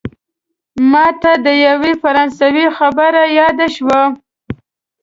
ماته د یوه فرانسوي خبره یاده شوه.